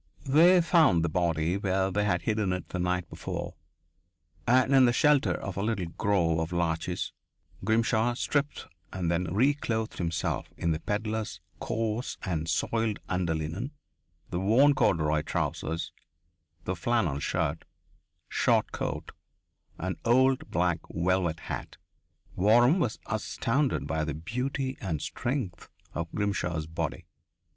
They found the body where they had hidden it the night before, and in the shelter of a little grove of larches Grimshaw stripped and then reclothed himself in the pedlar's coarse and soiled under linen, the worn corduroy trousers, the flannel shirt, short coat, and old black velvet hat. Waram was astounded by the beauty and strength of Grimshaw's body.